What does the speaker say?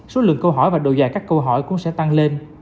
số lượng câu hỏi và độ dài các câu hỏi cũng sẽ tăng lên